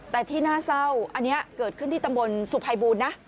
แต่ที่น่าเศร้าอันนี้เกิดขึ้นที่ตำบลสุภัยบูรณ์นะ